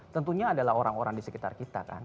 tentunya adalah orang orang di sekitar kita kan